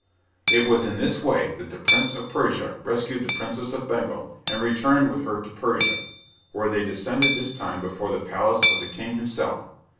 It was in this way that the Prince of Persia rescued the Princess of Bengal, and returned with her to Persia, where they descended this time before the palace of the King himself.